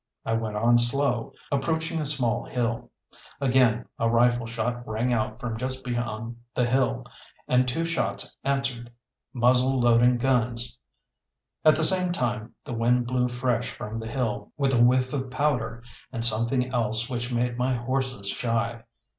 I went on slow, approaching a small hill. Again a rifle shot rang out from just beyond the hill, and two shots answered muzzle loading guns. At the same time the wind blew fresh from the hill, with a whiff of powder, and something else which made my horses shy.